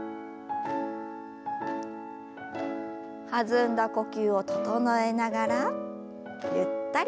弾んだ呼吸を整えながらゆったりと。